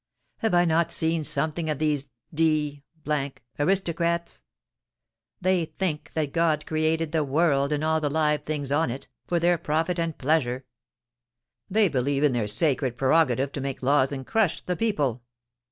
Have I not seen something of these d d aristocrats? They think that God created the world, and all the live things on it, for their profit and pleasure. They believe in their sacred preroga tive to make laws and crush the people.